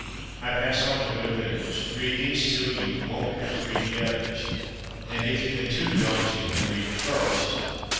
I pass on the good news. Read these two, and you won't have to read the others. And if even two daunt you, then read the first.